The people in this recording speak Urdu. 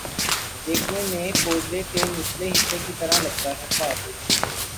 دیکھنے میں کوزے کے نچلے حصے کی طرح لگتا تھا